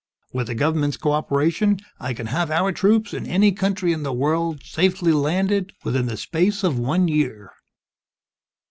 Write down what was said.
With the government's cooperation, I can have our troops in any country in the world, safely landed, within the space of one year!"